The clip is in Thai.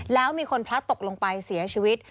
แล้วมีคนพลัดตกลงไปเสียชีวิต